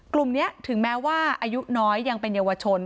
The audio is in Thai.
กลุ่มนี้ถึงแม้ว่าอายุน้อยยังเป็นเยาวชน